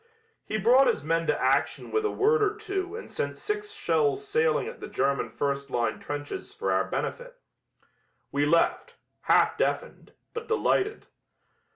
He brought his men to action with a word or two and sent six shells sailing at the German first line trenches for our benefit. We left, half deafened, but delighted.